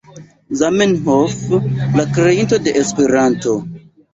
Zamenhof, la kreinto de Esperanto.